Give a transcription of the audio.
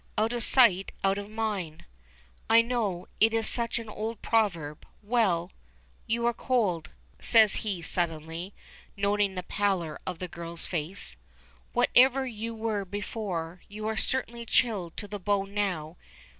'Out of sight out of mind,' I know. It is such an old proverb. Well You are cold," says he suddenly, noting the pallor of the girl's face. "Whatever you were before, you are certainly chilled to the bone now.